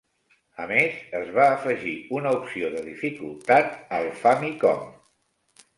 A més, es va afegir una opció de dificultat al Famicom.